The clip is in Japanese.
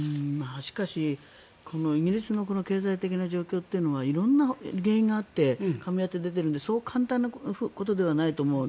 しかし、イギリスの経済的な状況というのは色んな原因があってかみ合って出ているのでそう簡単なことではないと思う。